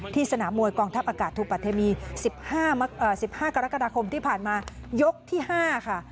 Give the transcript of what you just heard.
สนามมวยกองทัพอากาศทูปะเทมี๑๕กรกฎาคมที่ผ่านมายกที่๕ค่ะ